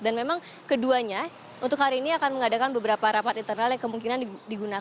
dan memang keduanya untuk hari ini akan mengadakan beberapa rapat internal yang kemungkinan digunakan